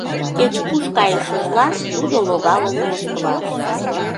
Кеч-куш кайышыжла, тудо логалын Москваш.